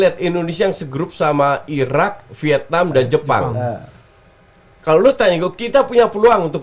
lihat indonesia yang segrup sama irak vietnam dan jepang kalau lo tanya gue kita punya peluang untuk